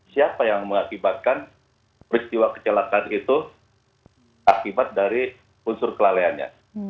siapa yang mengakibatkan peristiwa kecelakaan itu akibat dari unsur kelalaiannya